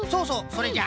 それじゃ。